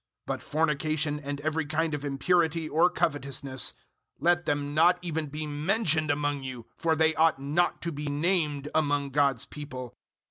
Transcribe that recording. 005:003 But fornication and every kind of impurity, or covetousness, let them not even be mentioned among you, for they ought not to be named among God's people.